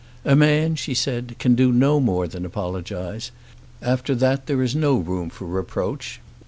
"A man," she said, "can do no more than apologise. After that there is no room for reproach."